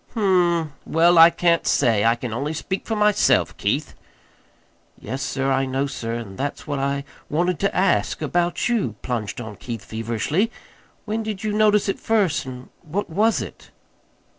"Hm m; well, I can't say. I can only speak for myself, Keith." "Yes, sir, I know, sir; and that's what I wanted to ask about you," plunged on Keith feverishly. "When did you notice it first, and what was it?"